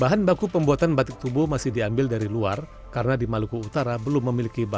bahan baku pembuatan batik tubuh masih diambil dari luar karena di maluku utara belum memiliki basis